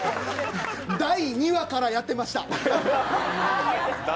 第２話からやってました。